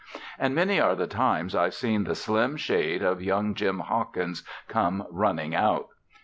And many are the times I've seen the slim shade of young Jim Hawkins come running out.